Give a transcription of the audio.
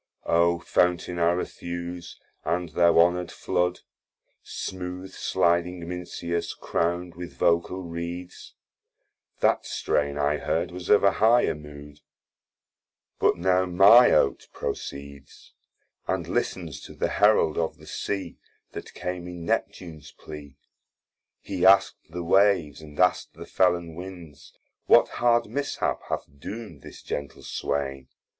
O Fountain Arethuse, and thou honour'd floud, Smooth sliding Mincius, crown'd with vocall reeds, That strain I heard was of a higher mood: But now my Oate proceeds, And listens to the Herald of the Sea That came in Neptune's plea, He ask'd the Waves, and ask'd the Fellon winds, What hard mishap hath doom'd this gentle swain?